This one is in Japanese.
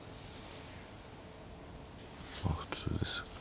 まあ普通ですか。